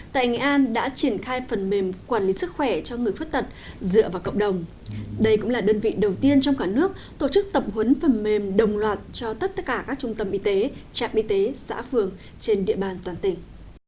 tại nghệ an đã triển khai phần mềm quản lý sức khỏe cho người khuyết tật dựa vào cộng đồng đây cũng là đơn vị đầu tiên trong cả nước tổ chức tập huấn phần mềm đồng loạt cho tất cả các trung tâm y tế trạm y tế xã phường trên địa bàn toàn tỉnh